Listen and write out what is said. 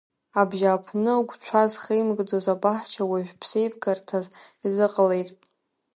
Абжьааԥны гәцәа зхеимкӡоз абаҳча, уажә ԥсеивгарҭас изыҟалеит.